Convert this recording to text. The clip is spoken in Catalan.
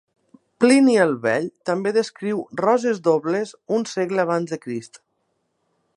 Plini el Vell també descriu roses dobles un segle abans de Crist.